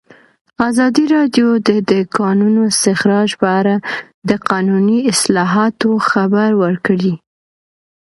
ازادي راډیو د د کانونو استخراج په اړه د قانوني اصلاحاتو خبر ورکړی.